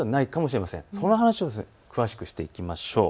その話を詳しくしていきましょう。